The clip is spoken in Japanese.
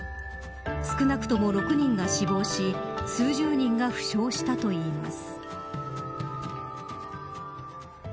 少なくとも６人が死亡し数十人が負傷したといいます。